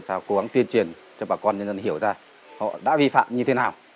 sao cố gắng tuyên truyền cho bà con nhân dân hiểu ra họ đã vi phạm như thế nào